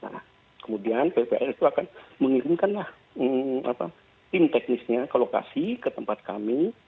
nah kemudian ppr itu akan mengirimkan lah tim teknisnya ke lokasi ke tempat kami